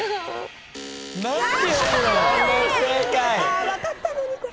あー分かったのにこれ。